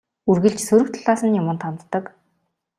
Үргэлж сөрөг талаас нь юманд ханддаг.